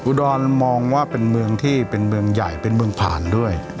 อุดรมองว่าเป็นเมืองที่เป็นเมืองใหญ่เป็นเมืองผ่านด้วย